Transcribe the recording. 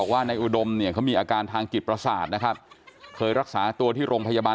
เขามีอาการทางกิตประศาสตร์นะคะเคยรักษาตัวที่โรงพยาบาล